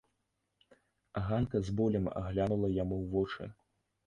Ганка з болем глянула яму ў вочы.